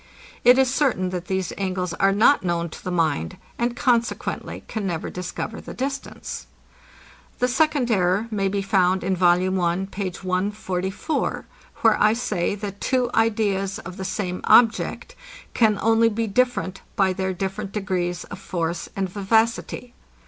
It is certain, that these angles are not known to the mind, and consequently can never discover the distance. The second error may be found in Vol. I. page 144 where I say, that two ideas of the same object can only be different by their different degrees of force and vivacity.